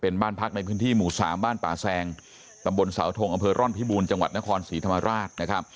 ในพื้นที่หมู่๓บ้านป่าแซงตำบลสาวโทงอำเภอร่อนพิบูรณ์จังหวัดนครศรีธรรมราช